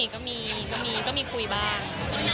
ก็มีก็มีก็มีคุยบ้าง